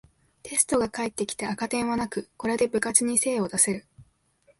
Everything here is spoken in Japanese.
テストが返ってきて赤点はなく、これで部活に精を出せる